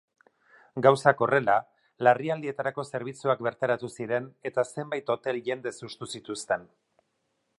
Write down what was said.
Gauzak horrela, larrialdietarako zerbitzuak bertaratu ziren eta zenbait hotel jendez hustu zituzten.